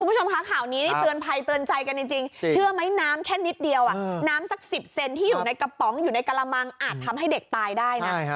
คุณผู้ชมคะข่าวนี้นี่เตือนภัยเตือนใจกันจริงเชื่อไหมน้ำแค่นิดเดียวน้ำสัก๑๐เซนที่อยู่ในกระป๋องอยู่ในกระมังอาจทำให้เด็กตายได้นะ